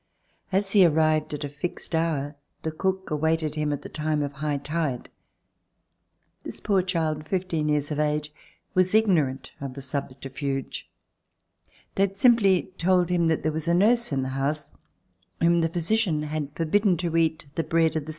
As he arrived at a fixed hour, the cook awaited him at the time of high tide. This poor child, fifteen years of age, was ignorant of the subterfuge. They had simply told him that there was a nurse in the house whom the physician had forbidden to eat the bread of the Section.